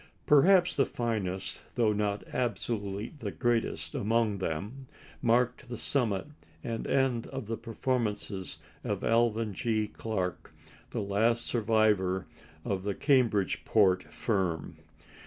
Perhaps the finest, though not absolutely the greatest, among them, marked the summit and end of the performances of Alvan G. Clark, the last survivor of the Cambridgeport firm.